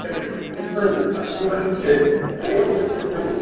polepole kuwa nchi ya Kiislamu Katika karne ya